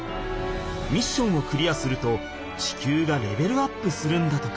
ミッションをクリアすると地球がレベルアップするんだとか。